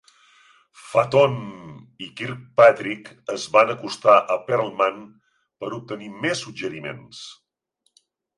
Fatone i Kirkpatrick es van acostar a Pearlman per obtenir més suggeriments.